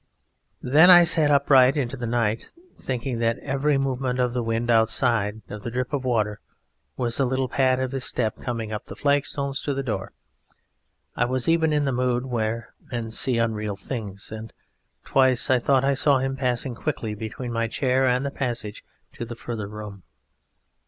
Then I sat up right into the night, thinking that every movement of the wind outside or of the drip of water was the little pad of his step coming up the flagstones to the door. I was even in the mood when men see unreal things, and twice I thought I saw him passing quickly between my chair and the passage to the further room.